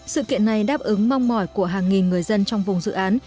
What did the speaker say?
sự kiện này đáp ứng mong mỏi của hàng nghìn người dân trong vùng dự án